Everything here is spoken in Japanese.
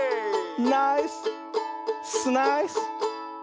ナイススナイス！